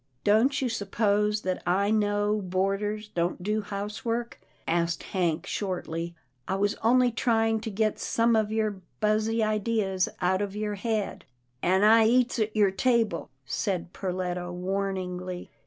" Don't you suppose that I know boarders don't do housework ?" asked Hank, shortly, " I was only PERLETTA MAKES AN EXPLANATION 305 trying to get some of your buzzy ideas out of your head." " An' I eats at your table," said Perletta warn ingly.